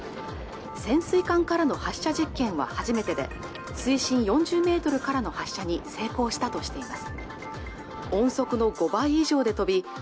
潜水艦からの発射実験は初めてで水深４０メートルからの発射に成功したとしています